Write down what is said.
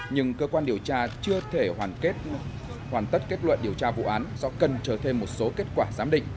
nhưng cơ quan điều tra chưa thể hoàn tất kết luận điều tra vụ án do cần chờ thêm một số kết quả giám định